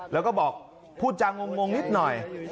แล้วก็บอกพูดจางงนิดหน่อย